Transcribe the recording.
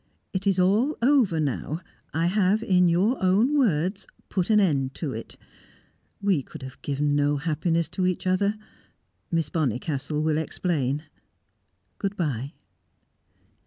It is all over now; I have, in your own words, 'put an end to it.' We could have given no happiness to each other. Miss Bonnicastle will explain. Good bye!"